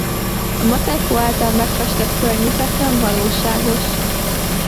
A Matejko által megfestett környezet nem valóságos.